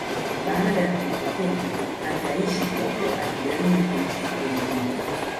Baada ya kuipokea ataishi upya akijaribu kumshukuru Mungu